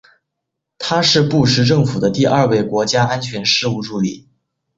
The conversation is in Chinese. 他是布什政府的第二位国家安全事务助理。